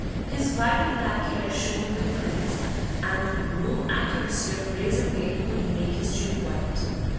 His wiry black hair shone with grease, and no accuracy of razor play would make his chin white.